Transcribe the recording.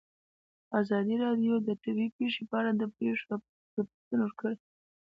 ازادي راډیو د طبیعي پېښې په اړه د پېښو رپوټونه ورکړي.